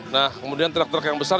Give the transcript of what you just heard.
nah kemudian truk truk yang besar